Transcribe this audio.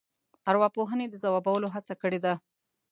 ارواپوهنې د ځوابولو هڅه کړې ده.